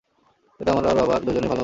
এতে আমার আর বাবার দুজনেরই ভালো হবে।